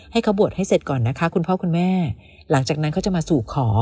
ให้เขาบวชให้เสร็จก่อนนะคะคุณพ่อคุณแม่หลังจากนั้นเขาจะมาสู่ขอ